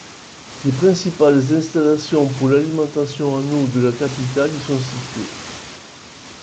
Les principales installations pour l'alimentation en eau de la capitale y sont situées.